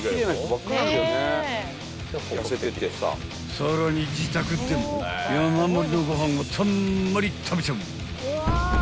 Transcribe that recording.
［さらに自宅でも山盛りのご飯をたんまり食べちゃう］